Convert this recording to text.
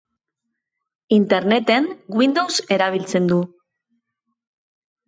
Interneten Windows erabiltzen du.